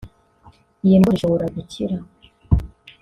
iyi ndwara ishobora gukira